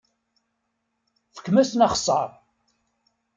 Fkem-asen axeṣṣar!